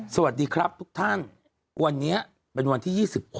สวัสดีครับทุกท่านวันนี้เป็นวันที่๒๖